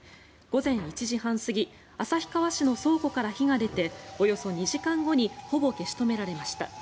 午前１時半過ぎ旭川市の倉庫から火が出ておよそ２時間後にほぼ消し止められました。